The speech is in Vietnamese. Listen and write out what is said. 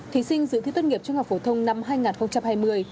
thí sinh dự thi tốt nghiệp trung học phổ thông năm hai nghìn hai mươi